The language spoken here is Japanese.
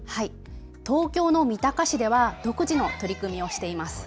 東京の三鷹市では独自の取り組みをしています。